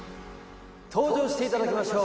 登場して頂きましょう。